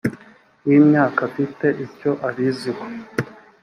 w imyaka afite icyo abiziho